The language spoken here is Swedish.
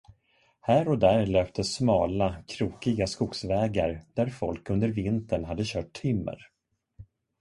Här och där löpte smala, krokiga skogsvägar, där folk under vintern hade kört timmer.